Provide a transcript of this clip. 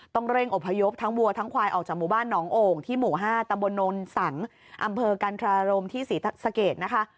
ต้องเร่งอพยพทั้งวัวทั้งควายออกจากหมู่บ้านหนองโอ่งที่หมู่๕ตำบลนนสังอำเภอกันทรารมที่ศรีสะเกดนะคะ